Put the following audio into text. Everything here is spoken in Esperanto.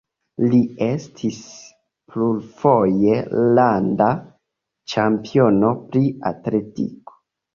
Li estis plurfoje landa ĉampiono pri atletiko.